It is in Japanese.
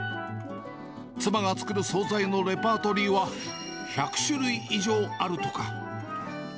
妻が作る総菜のレパートリーは、１００種類以上あるとか。